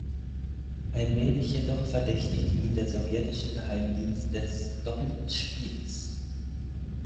Allmählich jedoch verdächtigte ihn der sowjetische Geheimdienst des „doppelten Spiels“.